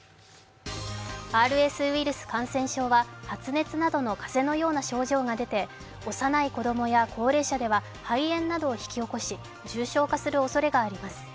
ＲＳウイルス感染症は、発熱などの風邪のような症状が出て幼い子供や高齢者は肺炎などを引き起こし重症化するおそれがあります。